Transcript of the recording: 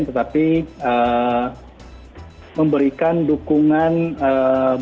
tetapi memberikan dukungan banjir